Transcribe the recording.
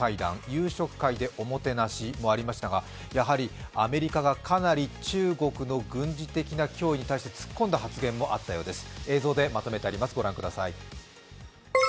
夕食会でおもてなしもありましたがやはりアメリカが、かなり中国の軍事的な脅威に対して突っ込んだ発言もあったようです。